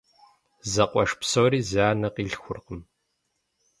Зэкъуэш псори зы анэ къилъхуркъым.